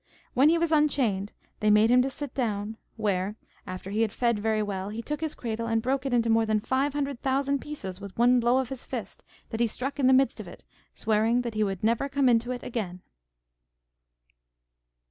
When he was unchained, they made him to sit down, where, after he had fed very well, he took his cradle and broke it into more than five hundred thousand pieces with one blow of his fist that he struck in the midst of it, swearing that he would never come into it again.